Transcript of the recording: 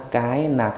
mày đừng xâm phạm